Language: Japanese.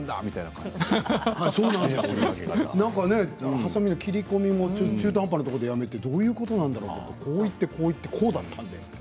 はさみの切り込みも中途半端なところでやめてどういうことなんだろうと思ったらこういってこういってこうだったと。